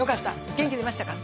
元気出ましたか？